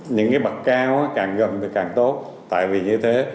những cái bậc cao càng gần thì càng tốt tại vì như thế